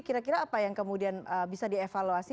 kira kira apa yang kemudian bisa dievaluasi